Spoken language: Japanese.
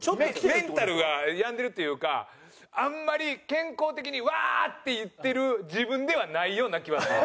メンタルが病んでるっていうかあんまり健康的にワーッ！っていってる自分ではないような気はする。